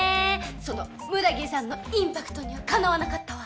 その六田木さんのインパクトにはかなわなかったわ。